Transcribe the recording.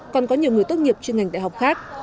còn có nhiều người tốt nghiệp chuyên ngành đại học khác